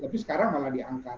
tapi sekarang malah diangkat